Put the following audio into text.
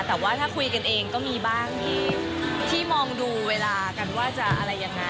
แต่ว่าถ้าคุยกันเองก็มีบ้างที่มองดูเวลากันว่าจะอะไรยังไง